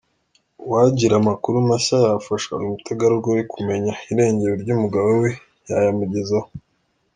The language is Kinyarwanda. Uwagira amakuru mashya yafasha uyu mutegarugori kumenya irengero ry’umugabo we yayamugezaho